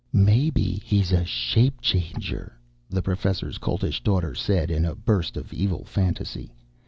"Maybe he's a shape changer," the Professor's Coltish Daughter said in a burst of evil fantasy.